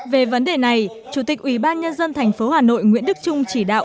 về vấn đề này chủ tịch ủy ban nhân dân thành phố hà nội nguyễn đức trung chỉ đạo